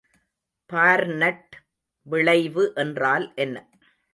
Barnett விளைவு என்றால் என்ன?